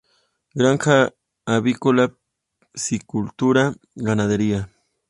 Granja avícola, piscicultura, ganadería.